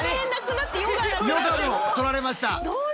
ヨガも取られました。